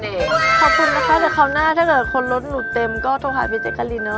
ขอบคุณนะคะเดี๋ยวครั้งหน้าถ้าคนรถหมูเต็มก็โทรภาพลิดเจชกะลินเนอะ